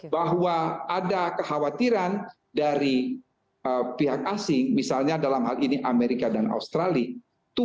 bahwa ada kekhawatiran dari pihak asing misalnya dalam hal ini amerika dan australia